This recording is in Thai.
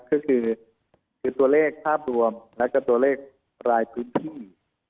ก็คือตัวเลขภาพรวมแล้วก็ตัวเลขรายพื้นที่